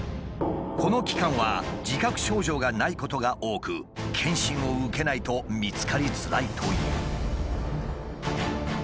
この期間は自覚症状がないことが多く検診を受けないと見つかりづらいという。